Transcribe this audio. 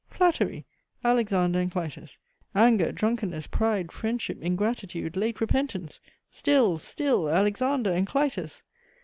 Flattery? Alexander and Clytus! anger drunkenness pride friendship ingratitude late repentance? Still, still Alexander and Clytus!